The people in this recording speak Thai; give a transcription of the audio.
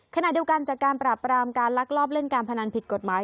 ขณะเดียวกันจากการปราบปรามการลักลอบเล่นการพนันผิดกฎหมาย